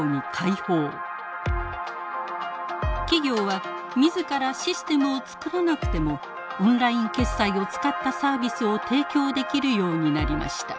企業は自らシステムを作らなくてもオンライン決済を使ったサービスを提供できるようになりました。